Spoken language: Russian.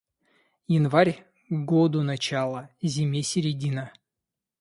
Январь - году начало, зиме середина.